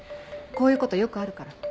こういうことよくあるから。